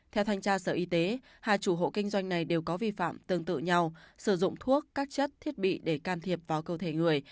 theo thanh tra sở y tế hai chủ hộ kinh doanh này đều có vi phạm tương tự nhau sử dụng thuốc các chất thiết bị để can thiệp vào cơ thể người